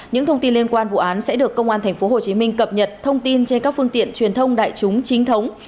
những thông tin liên quan vụ án sẽ được công an tp hcm cập nhật thông tin trên các phương tiện truyền thông đại chúng chính thống